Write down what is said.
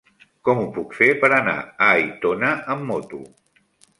Com ho puc fer per anar a Aitona amb moto?